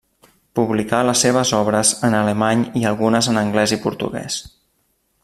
Publicà les seves obres en alemany i algunes en anglès i portuguès.